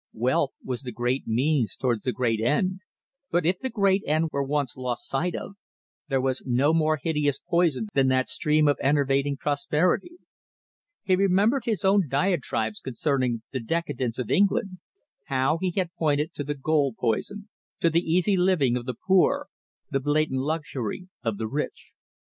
Wealth was the great means towards the great end, but if the great end were once lost sight of, there was no more hideous poison than that stream of enervating prosperity. He remembered his own diatribes concerning the decadence of England; how he had pointed to the gold poison, to the easy living of the poor, the blatant luxury of the rich.